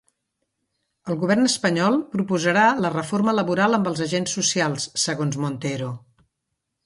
El govern espanyol proposarà la reforma laboral amb els agents socials, segons Montero.